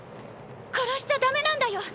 殺しちゃダメなんだよ。